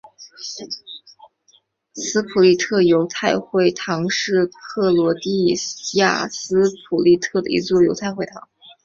斯普利特犹太会堂是克罗地亚斯普利特的一座犹太会堂。